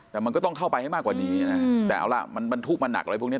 แต่มันก็ต้องเข้าไปให้มากกว่านี้นะแต่เอาล่ะมันบรรทุกมาหนักอะไรพวกนี้